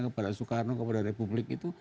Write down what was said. kepada soekarno kepada republik itu